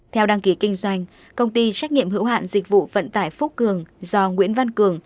theo đăng ký kinh doanh công ty trách nhiệm hữu hạn dịch vụ vận tải phúc cường do nguyễn văn cường